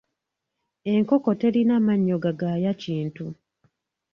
Enkoko terina mannyo gagaaya kintu.